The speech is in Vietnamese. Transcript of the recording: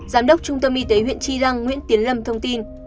giám đốc trung tâm y tế huyện tri răng nguyễn tiến lâm thông tin